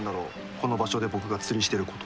この場所で僕が釣りしてること。